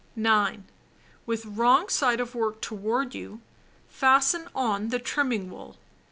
9. With wrong side of work toward you, fasten on the trim ming wool.